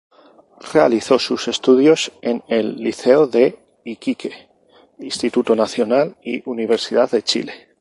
Realizó sus estudios en el Liceo de Iquique, Instituto Nacional y Universidad de Chile.